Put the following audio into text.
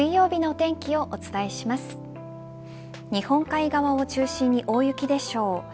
日本海側を中心に大雪でしょう。